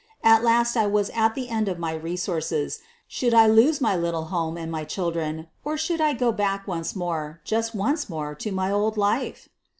At last I was at the end of my resources — should I lose my little home and my children, or should I go back once more, just once more to my old life?"